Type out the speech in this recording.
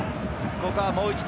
ここはもう一度。